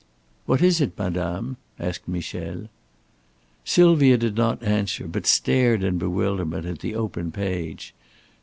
"What is it, madame?" asked Michel. Sylvia did not answer, but stared in bewilderment at the open page.